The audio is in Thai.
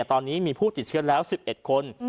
ตอนนี้มีผู้ติดเชื้อแล้ว๑๑คน